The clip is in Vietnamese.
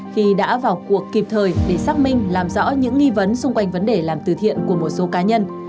khi đã vào cuộc kịp thời để xác minh làm rõ những nghi vấn xung quanh vấn đề làm từ thiện của một số cá nhân